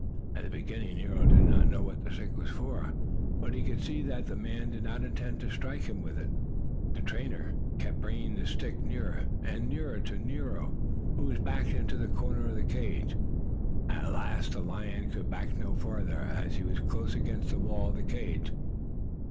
At the beginning Nero did not know what the stick was for, but he could see that the man did not intend to strike him with it. The trainer kept bringing the stick nearer and nearer to Nero, who backed into the corner of the cage. At last the lion could back no farther, as he was close against the wall of the cage.